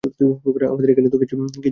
আমাদের এখানে তো কিছুই পাওয়া যায় না!